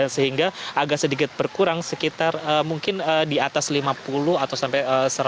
sehingga agak sedikit berkurang sekitar mungkin di atas lima puluh atau sampai seratus